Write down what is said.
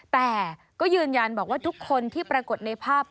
แต่ก็ยืนยันบอกว่าทุกคนที่ปรากฏในภาพ